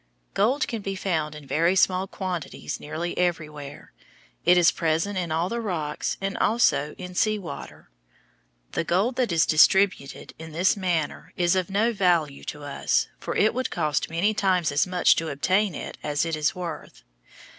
Gold can be found in very small quantities nearly everywhere. It is present in all the rocks and also in sea water. The gold that is distributed in this manner is of no value to us, for it would cost many times as much to obtain it as it is worth.